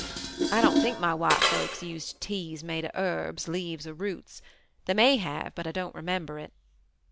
I don't think my white folks used teas made of herbs, leaves or roots; they may have, but I don't remember it.